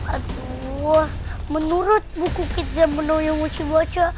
aduh menurut buku kitab kunonya mochi baca